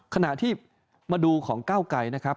ขณะที่มาดูของก้าวไกรนะครับ